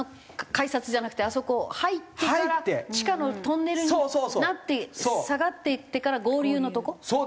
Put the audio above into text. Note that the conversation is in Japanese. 改札じゃなくてあそこ入ってから地下のトンネルになって下がっていってから合流のとこ？